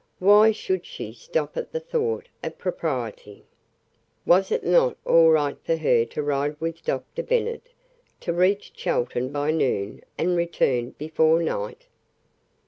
Why should she stop at the thought of propriety? Was it not all right for her to ride with Doctor Bennet, to reach Chelton by noon and return before night?